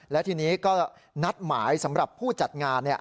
และทีนี้ก็นัดหมายสำหรับผู้จัดงาน